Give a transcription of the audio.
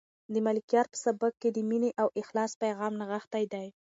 د ملکیار په سبک کې د مینې او اخلاص پیغام نغښتی دی.